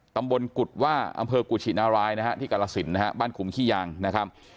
ตำบลกุฎว่าอำเภอกุชินารายนะฮะที่กรสินนะฮะบ้านขุมขี้ยางนะครับ